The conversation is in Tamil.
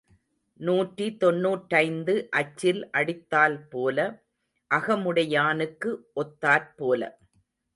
நூற்றி தொன்னூற்றைந்து அச்சில் அடித்தால் போல, அகமுடையானுக்கு ஒத்தாற்போல.